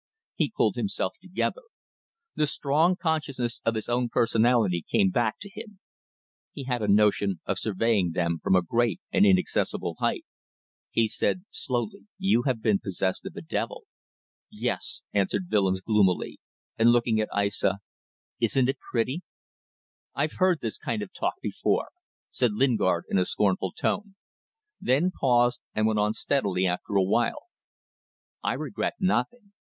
He pulled himself together. The strong consciousness of his own personality came back to him. He had a notion of surveying them from a great and inaccessible height. He said slowly: "You have been possessed of a devil." "Yes," answered Willems gloomily, and looking at Aissa. "Isn't it pretty?" "I've heard this kind of talk before," said Lingard, in a scornful tone; then paused, and went on steadily after a while: "I regret nothing.